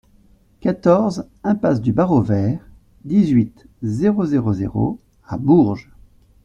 quatorze impasse du Barreau Vert, dix-huit, zéro zéro zéro à Bourges